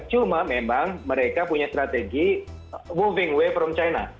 cuma memang mereka punya strategi moving way from china